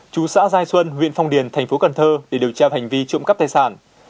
chú xã giai xuân huyện phong điền thành phố cần thơ để điều tra hành vi trộm cắp tài sản